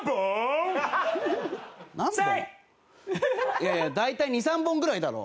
いやいや大体２３本ぐらいだろ。